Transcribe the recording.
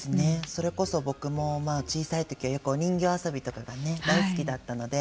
それこそ僕も小さいときはお人形遊びが大好きだったので。